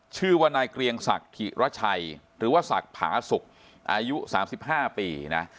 ชื่อว่านายเกรียงศักดิ์ถิระชัยหรือว่าศักดิ์ผาสุกอายุ๓๕ปีนะ